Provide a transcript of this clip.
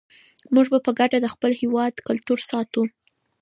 موږ به په ګډه د خپل هېواد کلتور ساتو.